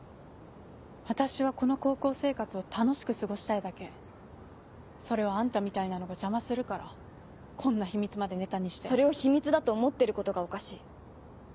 私はこの高校生活を楽しく過ごしたいそれをあんたみたいなのが邪魔するからこんな秘密までネタにしてそれを秘密だと思ってることがおかしい